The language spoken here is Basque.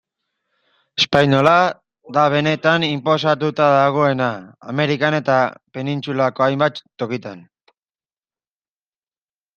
Espainola da benetan inposatuta dagoena, Amerikan eta penintsulako hainbat tokitan.